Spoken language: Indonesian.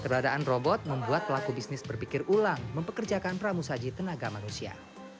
keberadaan robot membuat pelaku bisnis berpikir ulang mempekerjakan pramusaji tenaga manusia